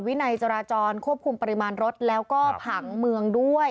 วินัยจราจรควบคุมปริมาณรถแล้วก็ผังเมืองด้วย